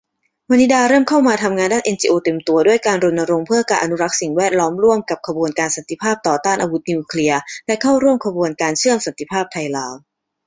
วนิดาเริ่มเข้ามาทำงานด้านเอ็นจีโอเต็มตัว ด้วยการรณรงค์เพื่อการอนุรักษ์สิ่งแวดล้อมร่วมกับขบวนการสันติภาพต่อต้าน อาวุธนิวเคลียร์ และเข้าร่วมขบวนการเชื่อมสันติภาพไทยลาว